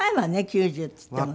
９０っていってもね。